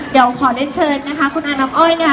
เดี๋ยวขอได้เชิญนะคะคุณอาน้ำอ้อยนะคะ